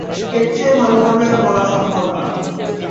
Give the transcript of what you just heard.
এর চেয়ে ভালোভাবে আর বলা সম্ভব না।